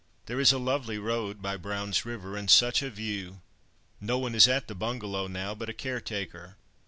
"There is a lovely road by Brown's River, and such a view! No one is at the Bungalow now but a caretaker.